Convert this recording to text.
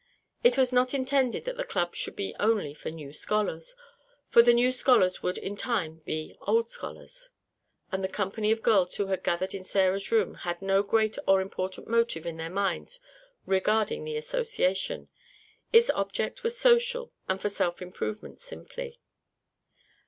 It was not intended that the club should be only for new scholars; for the new scholars would in time be old scholars. And the company of girls who had gathered in Sarah's room had no great or important motive in their minds regarding the association. Its object was social and for self improvement simply.